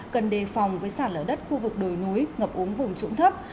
cần đề phòng với sản lở đất khu vực đồi núi ngập uống vùng trụng thấp